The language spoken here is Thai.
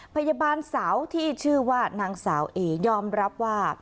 พยาบาลสาวที่ชื่อว่านางสาวเอยอมรับว่า